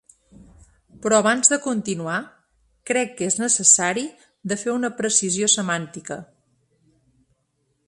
Però abans de continuar, crec que és necessari de fer una precisió semàntica.